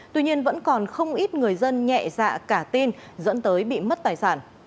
tuy nhiên vẫn còn không ít người dân nhẹ dạ cả tin dẫn tới bị mất tài sản